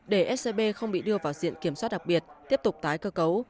để scb không bị đưa vào diện kiểm soát đặc biệt tiếp tục tái cơ cấu